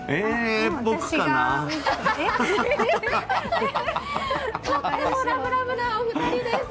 私とってもラブラブなお二人です。